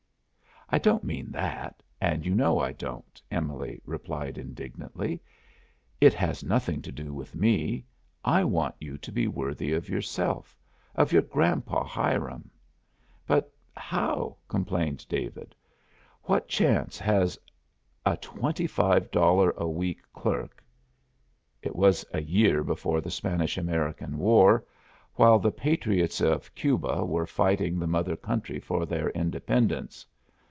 "I don't mean that, and you know I don't," Emily replied indignantly. "It has nothing to do with me! I want you to be worthy of yourself, of your grandpa Hiram!" "But how?" complained David. "What chance has a twenty five dollar a week clerk " It was a year before the Spanish American War, while the patriots of Cuba were fighting the mother country for their independence.